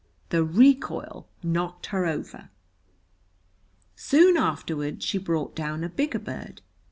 The recoil knocked her over. Soon afterward she brought down a bigger bird.